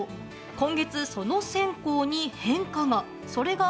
今月その線香に変化が。